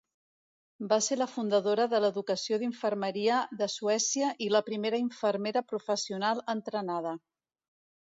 Va ser la fundadora de l'educació d'infermeria de Suècia i la primera infermera professional entrenada.